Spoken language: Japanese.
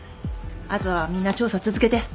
あとはみんな調査続けて。